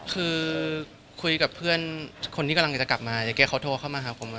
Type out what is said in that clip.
คือคุยกับเพื่อนคนที่กำลังจะกลับมาแต่แกเขาโทรเข้ามาหาผมว่า